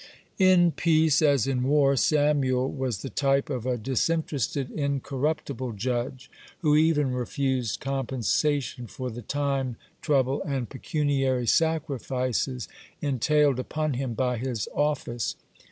(42) In peace as in war Samuel was the type of a disinterested, incorruptible judge, who even refused compensation for the time, trouble, and pecuniary sacrifices entailed upon him by his office.